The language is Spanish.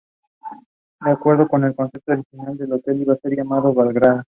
De acuerdo con el concepto original, el hotel iba a ser llamado Belgrado.